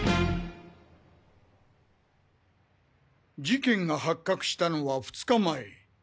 事件が発覚したのは２日前。